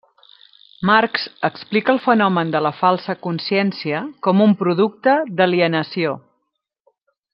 Marx explica el fenomen de la falsa consciència com un producte de l'alienació.